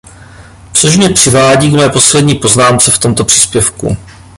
Což mě přivádí k mé poslední poznámce v tomto příspěvku.